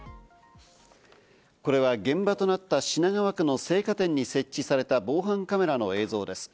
これは現場となった品川区の青果店に設置された防犯カメラの映像です。